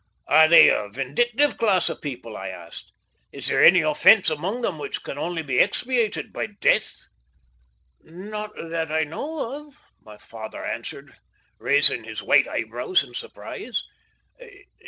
"Are they a vindictive class of people?" I asked. "Is there any offence among them which can only be expiated by death?" "Not that I know of," my father answered, raising his white eyebrows in surprise.